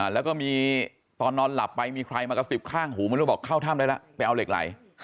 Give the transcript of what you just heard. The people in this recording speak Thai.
แล้วก็มีตอนนอนหลับไปมีใครมากระซิบข้างหูไม่รู้บอกเข้าถ้ำได้แล้วไปเอาเหล็กไหล